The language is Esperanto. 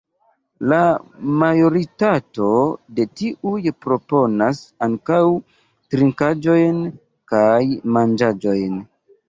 La majoritato de tiuj proponas ankaŭ trinkaĵojn kaj manĝaĵojn.